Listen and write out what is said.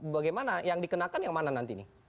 bagaimana yang dikenakan yang mana nanti nih